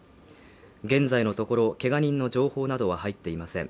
現在のところけが人の情報などは入っていません